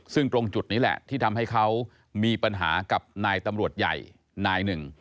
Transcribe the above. ซึ่งตรงจุดนี้แหละที่ทำให้เขามีปัญหากับนายตำรวจใหญ่นายหนึ่ง